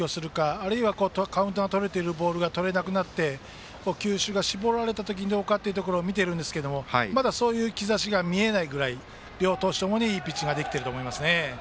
あるいはカウントがとれているボールでとれなくなって球種を絞られた時どうかというのを見ていますがまだそういう兆しが見えないぐらい両投手ともにいいピッチングができていると思います。